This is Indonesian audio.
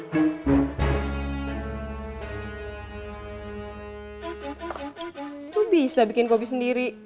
aku bisa bikin kopi sendiri